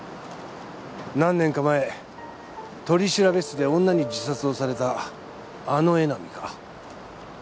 何年か前取調室で女に自殺をされたあの江波か。